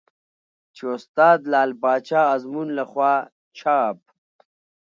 چې استاد لعل پاچا ازمون له خوا چاپ